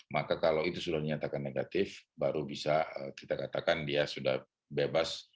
maka kalau itu sudah dinyatakan negatif baru bisa kita katakan dia sudah bebas